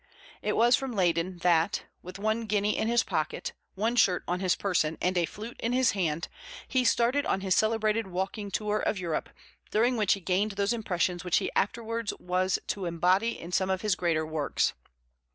It was from Leyden that, with one guinea in his pocket, one shirt on his person, and a flute in his hand, he started on his celebrated walking tour of Europe, during which he gained those impressions which he was afterwards to embody in some of his greater works.